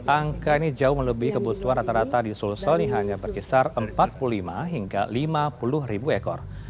angka ini jauh melebihi kebutuhan rata rata di sulsel yang hanya berkisar empat puluh lima hingga lima puluh ribu ekor